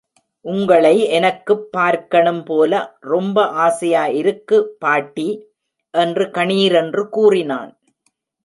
உங்களை எனக்குப் பார்க்கணும் போல ரொம்ப ஆசையா இருக்கு பாட்டி! என்று கணீரென்று கூறினான்.